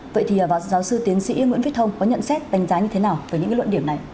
vậy thì giáo sư tiến sĩ nguyễn viết thông có nhận xét đánh giá như thế nào về những luận điểm này